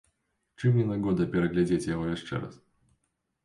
Чым не нагода пераглядзець яго яшчэ раз?